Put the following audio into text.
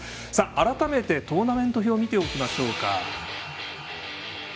改めてトーナメント表を見ておきましょうか。